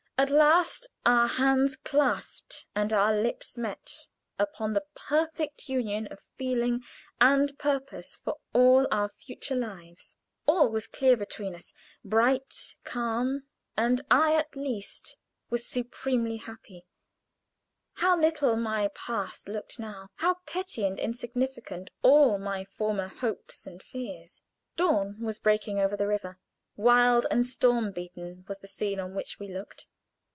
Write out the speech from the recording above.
At last our hands clasped and our lips met upon the perfect union of feeling and purpose for all our future lives. All was clear between us, bright, calm; and I, at least, was supremely happy. How little my past looked now; how petty and insignificant all my former hopes and fears! Dawn was breaking over the river. Wild and storm beaten was the scene on which we looked.